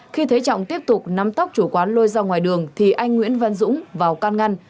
khi thấy trọng tiếp tục nắm tóc chủ quán lôi ra ngoài đường thì anh nguyễn văn dũng vào can ngăn